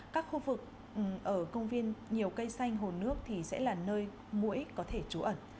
các khu vực ở công viên nhiều cây xanh hồ nước thì sẽ là nơi mũi có thể trú ẩn